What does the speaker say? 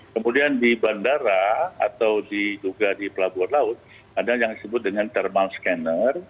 kemudian di bandara atau juga di pelabuhan laut ada yang disebut dengan thermal scanner